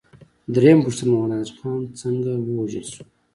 درېمه پوښتنه: محمد نادر خان څنګه ووژل شو؟